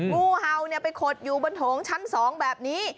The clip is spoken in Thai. งูเห่าไปขดอยู่บนโถงชั้น๒แบบนี้